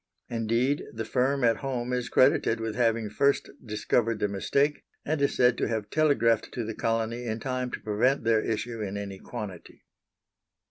Indeed, the firm at home is credited with having first discovered the mistake, and is said to have telegraphed to the colony in time to prevent their issue in any quantity.